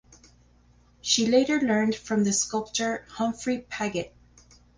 She later learned from the sculptor Humphrey Paget.